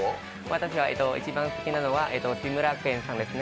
私は一番好きなのは志村けんさんですね。